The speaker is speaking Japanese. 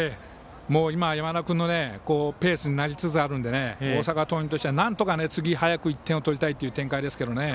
もう今、山田君のペースになりつつあるので大阪桐蔭としてはなんとか次、早く１点を取りたいという展開ですね。